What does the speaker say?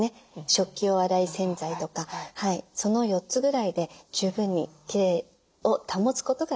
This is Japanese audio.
食器洗い用洗剤とかその４つぐらいで十分にきれいを保つことができます。